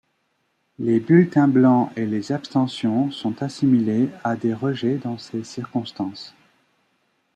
Les bulletins blancs et les abstentions sont assimilées à des rejets dans ces circonstances.